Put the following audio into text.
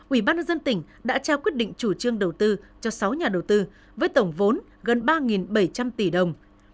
ủy ban nhân dân tỉnh đã trao quyết định chủ trương đầu tư cho sáu nhà đầu tư với tổng vốn gần ba bảy trăm linh tỷ đồng